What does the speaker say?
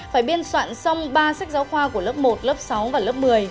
phải biên soạn xong ba sách giáo khoa của lớp một lớp sáu và lớp một mươi